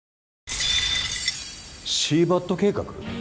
シーバット計画？